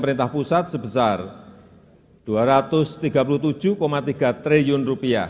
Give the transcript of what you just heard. pemerintah pusat sebesar rp dua ratus tiga puluh tujuh tiga triliun